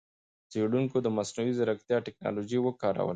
څېړونکو د مصنوعي ځېرکتیا ټکنالوجۍ وکاروله.